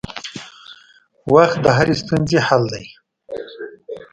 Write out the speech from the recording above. وخت د هرې ستونزې حل دی.